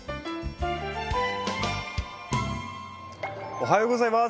おはようございます！